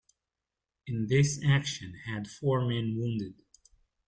In this action, had four men wounded.